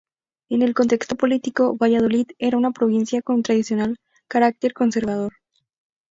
En el contexto político, Valladolid era una provincia con tradicional carácter conservador.